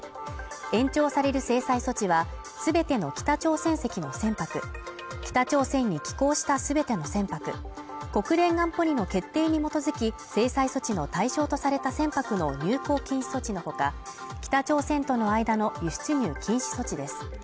延長される制裁措置は全ての北朝鮮籍の船舶北朝鮮に寄港した全ての船舶、国連安保理の決定に基づき制裁措置の対象とされた船舶の入港禁止措置の他、北朝鮮との間の輸出入禁止措置です。